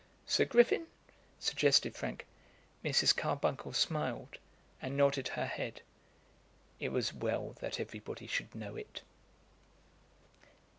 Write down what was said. "Sir Griffin?" suggested Frank. Mrs. Carbuncle smiled and nodded her head. It was well that everybody should know it.